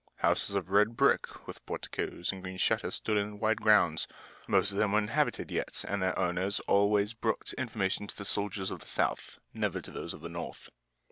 Houses of red brick, with porticoes and green shutters, stood in wide grounds. Most of them were inhabited yet, and their owners always brought information to the soldiers of the South, never to those of the North.